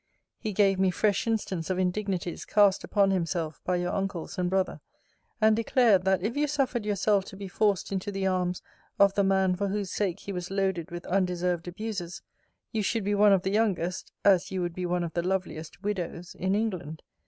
He gave me fresh instance of indignities cast upon himself by your uncles and brother; and declared, that if you suffered yourself to be forced into the arms of the man for whose sake he was loaded with undeserved abuses, you should be one of the youngest, as you would be one of the loveliest widows in England.